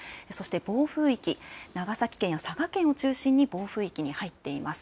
暴風域、長崎県や佐賀県を中心に暴風域に入っています。